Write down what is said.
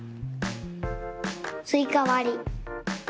スイカわり。